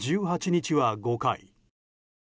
１８日は５回。